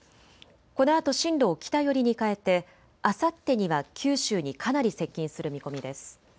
このあと進路を北寄りに変えてあさってには九州にかなり接近する見込みです。